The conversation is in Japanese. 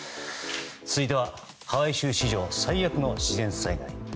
続いては、ハワイ州史上最悪の自然災害。